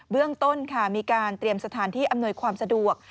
เรื่องต้นค่ะมีการเตรียมสถานที่อำนวยความสะดวก